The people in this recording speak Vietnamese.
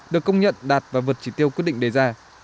được công nhận đạt và vượt chỉ tiêu quyết định đề ra